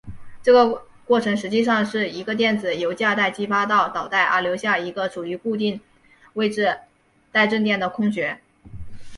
这个过程实际上是一个电子从价带激发到导带而留下一个处于固定位置带正电的空穴。